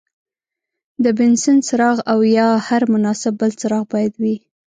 د بنسن څراغ او یا هر مناسب بل څراغ باید وي.